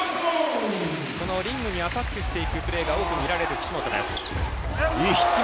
このリングにアタックしていくプレーが多く見られる岸本です。